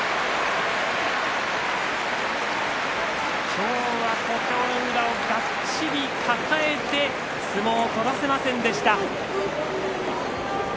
今日は小兵の宇良をがっちり抱えて相撲を取らせませんでした。